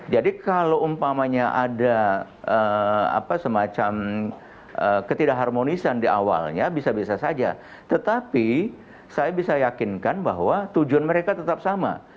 jadi kalau umpamanya ada apa semacam ketidak harmonisan di awalnya bisa bisa saja tetapi saya bisa yakinkan bahwa tujuan mereka tetap sama